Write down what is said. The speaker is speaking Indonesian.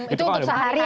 itu untuk sehari hari ya